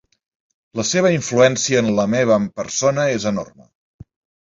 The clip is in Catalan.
La seva influència en la meva persona és enorme.